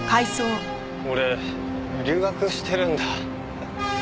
俺留学してるんだ？